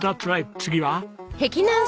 次は？